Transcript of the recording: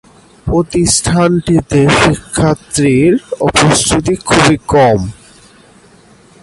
প্রতিষ্ঠানটিতে শিক্ষার্থীর উপস্থিতি খুবই কম।